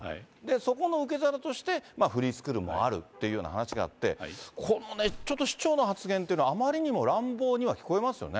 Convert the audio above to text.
そこの受け皿としてフリースクールもあるっていう話があって、この、ちょっと市長の発言というのはあまりにも乱暴には聞こえますよね。